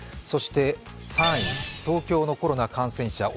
そして３位、東京のコロナ感染者